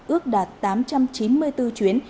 ước đạt tám trăm chín mươi bốn chuyến